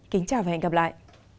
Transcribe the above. kính chào và hẹn gặp lại